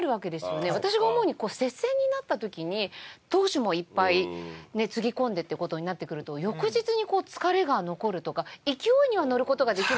私が思うに接戦になった時に投手もいっぱいねつぎ込んでっていう事になってくると翌日にこう疲れが残るとか勢いには乗る事ができるのかもしれない。